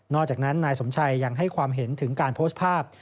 อกจากนั้นนายสมชัยยังให้ความเห็นถึงการโพสต์ภาพ